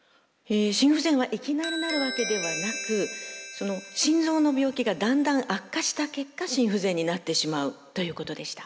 心不全はいきなりなるわけではなく心臓の病気がだんだん悪化した結果心不全になってしまうということでした。